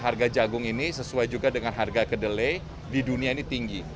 harga jagung ini sesuai juga dengan harga kedelai di dunia ini tinggi